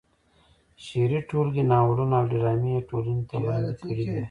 شعري ټولګې، ناولونه او ډرامې یې ټولنې ته وړاندې کړې دي.